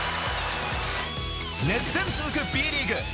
熱戦続くＢリーグ